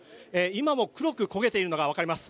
今も黒く焦げているのがわかります。